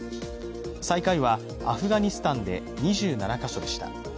最下位は、アフガニスタンで２７か所でした。